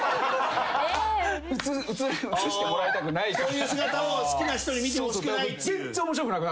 そういう姿を好きな人に見てほしくないっていう。